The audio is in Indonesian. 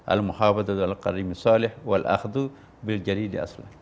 al muhabbat adzal al qarimi salih wal akhdu bil jadid asli